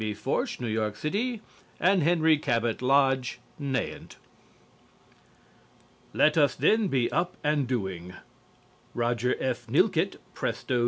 Forsch, New York City, and Henry Cabot Lodge, Nahant. "LET US THEN BE UP AND DOING" Roger F. Nilkette, Presto, N.